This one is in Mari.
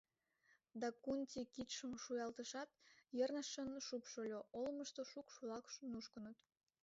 Дакунти кидшым шуялтышат, йырнышын шупшыльо: олымышто шукш-влак нушкыныт.